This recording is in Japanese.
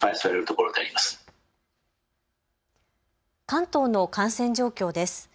関東の感染状況です。